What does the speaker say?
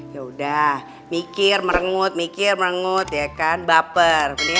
yaudah mikir merengut mikir merengut ya kan baper